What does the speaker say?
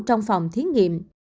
trong phòng thiết nghiệm